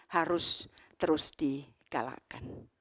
harus terus di galakkan